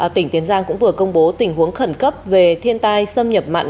tỉnh tiền giang cũng vừa công bố tình huống khẩn cấp về thiên tai xâm nhập mặn